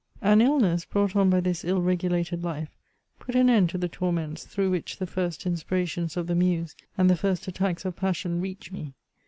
f An illness, brought on by this ill regulated life, put an end to the torments through which the first inspirations of the muse» and the first attacks of passion, reached me.